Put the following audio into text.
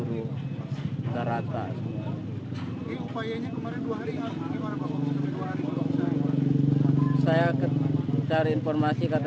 ramai ramainya orang saya cari juga nggak ada